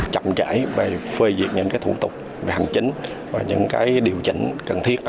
chậm trễ về phê duyệt những thủ tục về hành chính và những điều chỉnh cần thiết